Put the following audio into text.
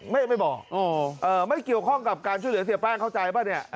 ไม่บอกไม่เกี่ยวข้องกับการยุดเหลือเสียแป้งเข้าใจป่ะนะ